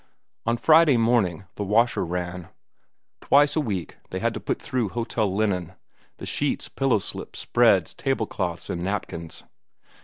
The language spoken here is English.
On Friday morning the washer ran. Twice a week they had to put through hotel linen,—the sheets, pillow slips, spreads, table cloths, and napkins.